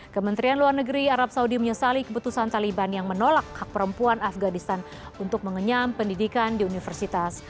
kementerian luar negeri arab saudi menyesali keputusan taliban yang menolak hak perempuan afganistan untuk mengenyam pendidikan di universitas